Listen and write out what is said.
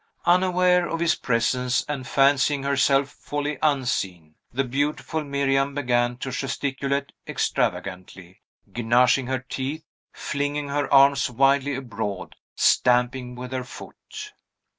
Unaware of his presence, and fancying herself wholly unseen, the beautiful Miriam began to gesticulate extravagantly, gnashing her teeth, flinging her arms wildly abroad, stamping with her foot.